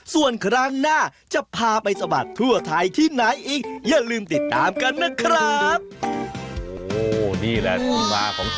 ส่วนครั้งหน้าจะพาไปสบัดทั่วไทยที่ไหนอีก